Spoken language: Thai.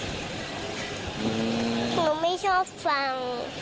หนูไม่ชอบฟัง